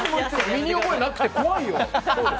身に覚えなくて怖いよ！